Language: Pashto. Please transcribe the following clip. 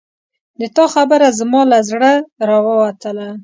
د تا خبره زما له زړه راووتله